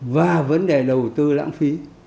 và vấn đề đầu tư lãng phí